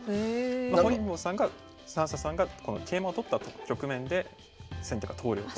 本因坊さんが算砂さんがこの桂馬を取った局面で先手が投了と。